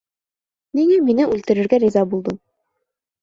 Ниңә мине үлтерергә риза булдың?